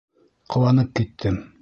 Ҡыуанып киттем.